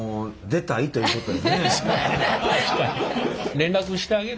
連絡してあげる？